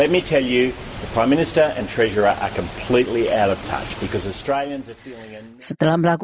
menutupi diri mereka di belakang